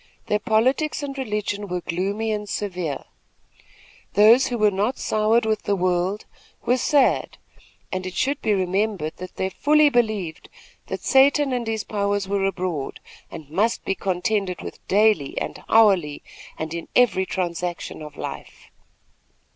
Their politics and religion were gloomy and severe. Those who were not soured with the world were sad, and, it should be remembered, they fully believed that Satan and his powers were abroad and must be contended with daily and hourly and in every transaction of life.